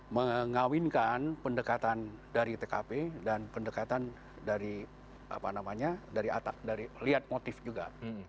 mengawinkan pendekatan dari tgp dan pendekatan dari apa namanya dari atas dari melihat motif juga